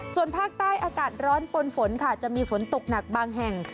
ส่วนภาคใต้อากาศร้อนปนฝนค่ะจะมีฝนตกหนักบางแห่ง